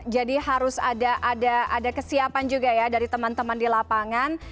jadi harus ada kesiapan juga ya dari teman teman di lapangan